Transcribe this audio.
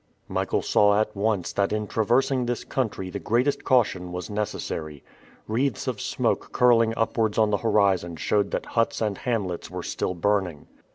Michael saw at once that in traversing this country the greatest caution was necessary. Wreaths of smoke curling upwards on the horizon showed that huts and hamlets were still burning.